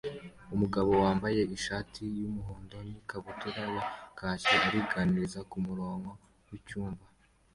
Umugabo wambaye ishati yumuhondo nikabutura ya khaki aringaniza kumurongo wicyuma